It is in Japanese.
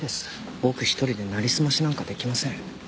僕一人でなりすましなんかできません。